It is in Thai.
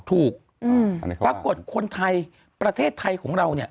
ปรากฏคนไทยประเทศไทยของเราเนี่ย